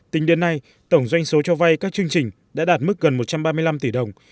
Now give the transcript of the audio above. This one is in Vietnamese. tính đến nay tổng doanh số cho vay các chương trình đã đạt mức gần một trăm ba mươi năm tỷ đồng